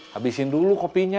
habisin dulu kopinya